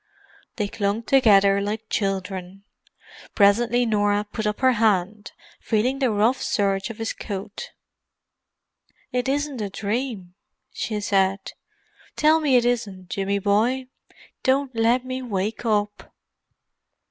They clung together like children. Presently Norah put up her hand, feeling the rough serge of his coat. "It isn't a dream," she said. "Tell me it isn't, Jimmy boy. Don't let me wake up."